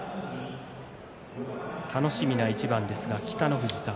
楽しみな一番ですが北の富士さん